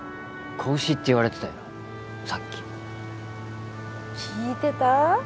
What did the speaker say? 子牛って言われてたよなさっき聞いてた？